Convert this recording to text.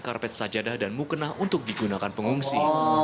mereka menggunakan sajadah dan mukenah untuk digunakan pengungsi